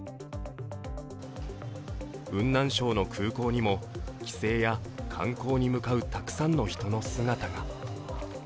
雲南省の空港にも、帰省や観光に向かうたくさんの人の姿が。